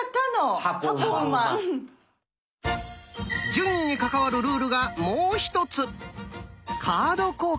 順位に関わるルールがもう一つ。